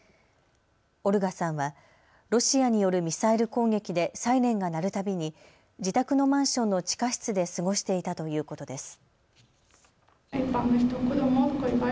オルガさんはロシアによるミサイル攻撃でサイレンが鳴るたびに自宅のマンションの地下室で過ごしていたということです。